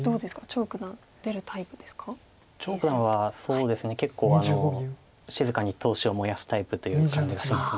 張九段は結構静かに闘志を燃やすタイプという感じがします。